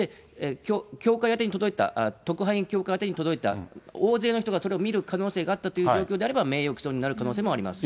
協会宛てに届いた、特派員協会宛てに届いた、大勢の人がそれを見る可能性があったという状況であれば、名誉毀損になる可能性もあります。